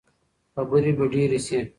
خبرې به ډېرې شي.